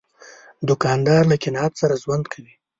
دوکاندار له قناعت سره ژوند کوي.